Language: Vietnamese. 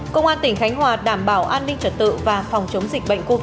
công an tỉnh khánh hòa đảm bảo an ninh trật tự và phòng chống dịch bệnh covid một mươi chín